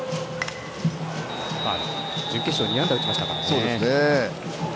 準決勝２安打打ちましたからね。